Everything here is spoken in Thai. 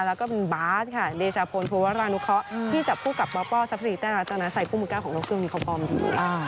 แล้วก็เป็นบาร์ทค่ะเดชาโพนพูดว่ารานุเคาะที่จับคู่กับบ๊าบป้อซับซีรีส์แต่ละตะนะใส่คู่มือ๙ของโลกซึ่งมีความฟอมดี